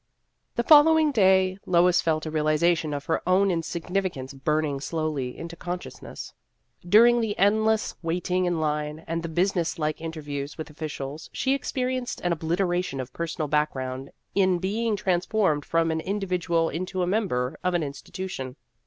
The following day Lois felt a realiza tion of her own insignificance burning slowly into consciousness. During the endless waiting in line and the business like interviews with officials, she experienced an obliteration of personal background in being transformed from an individual into a member of an institution.